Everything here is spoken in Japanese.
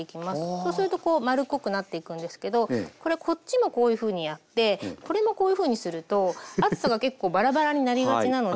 そうするとこう丸っこくなっていくんですけどこれこっちもこういうふうにやってこれもこういうふうにすると厚さが結構バラバラになりがちなので。